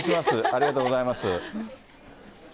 ありがとうございます。